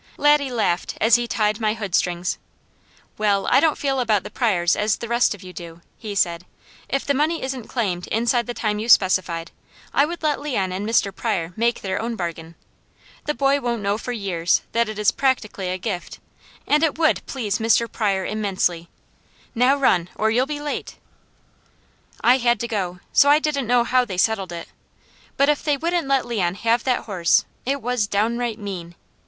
Laddie laughed as he tied my hood strings. "Well I don't feel about the Pryors as the rest of you do," he said. "If the money isn't claimed inside the time you specified, I would let Leon and Mr. Pryor make their own bargain. The boy won't know for years that it is practically a gift, and it would please Mr. Pryor immensely. Now run, or you'll be late!" I had to go, so I didn't know how they settled it, but if they wouldn't let Leon have that horse, it was downright mean.